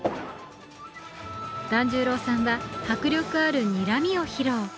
團十郎さんは迫力あるにらみを披露。